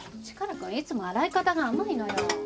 チカラくんいつも洗い方が甘いのよ。